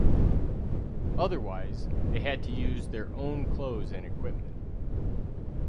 Otherwise, they had to use their own clothes and equipment.